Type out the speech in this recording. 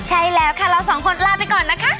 ใช่แล้วค่ะเราสองคนลาไปก่อนนะคะ